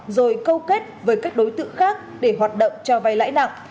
rồi câu kết với các đối tượng khác để hoạt động cho vay lãi nặng